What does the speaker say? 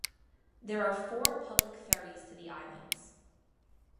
There are four public ferries to the islands.